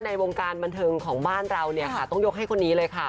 ในวงการบรรทึงของบ้านเราต้องยกให้คนนี้เลยค่ะ